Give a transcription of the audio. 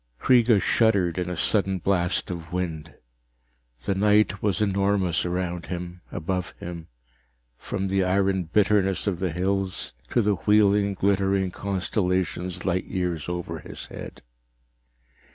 _ Kreega shuddered in a sudden blast of wind. The night was enormous around him, above him, from the iron bitterness of the hills to the wheeling, glittering constellations light years over his head.